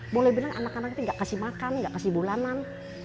boleh bilang anak anak itu gak kasih makan nggak kasih bulanan